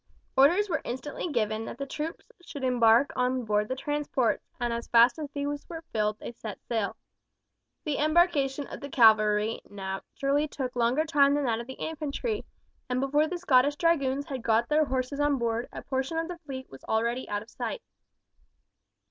Orders were instantly given that the troops should embark on board the transports, and as fast as these were filled they set sail. The embarkation of the cavalry naturally took longer time than that of the infantry, and before the Scottish Dragoons had got their horses on board a portion of the fleet was already out of sight.